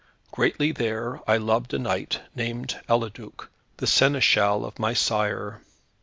Greatly there I loved a knight, named Eliduc, the seneschal of my sire.